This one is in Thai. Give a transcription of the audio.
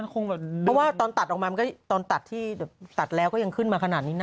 เพราะว่าตอนตัดออกมามันก็ตอนตัดที่ตัดแล้วก็ยังขึ้นมาขนาดนี้นะ